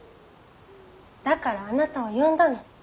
だからあなたを呼んだの。